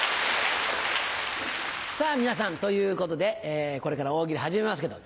さぁ皆さんということでこれから大喜利始めますけど。